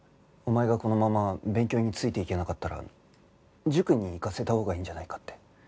お前がこのまま勉強についていけなかったら塾に行かせたほうがいいんじゃないかって。